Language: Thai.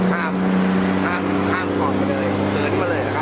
เมื่อเวลาเมื่อเวลา